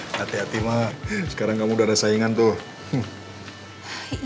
hati hati mak sekarang kamu udah ada saingan tuh